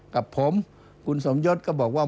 กับผมคุณสมยศก็บอกว่า